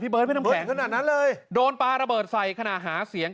พี่เบิร์ดไม่ต้องแขงนั้นเลยโดนปารบิดใส่ขณะหาเสียง